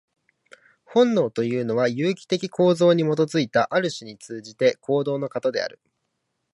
本能というのは、有機的構造に基いた、ある種に通じての行動の型である。